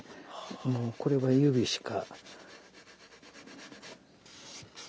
もうこれは指しか。